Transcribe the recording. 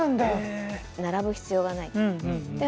並ぶ必要がないとか。